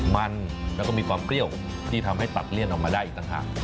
มันแล้วก็มีความเปรี้ยวที่ทำให้ตัดเลี่ยนออกมาได้อีกต่างหาก